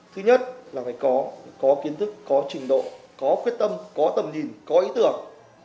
thứ nhất là phải có kiến thức có trình độ có quyết tâm có tầm nhìn có ý tưởng